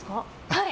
はい。